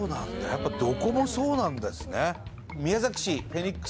やっぱどこもそうなんですね